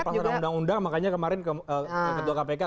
sebagai pasal dalam undang undang makanya kemarin ketua kpk